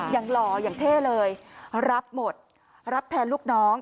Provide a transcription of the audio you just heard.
หล่ออย่างเท่เลยรับหมดรับแทนลูกน้อง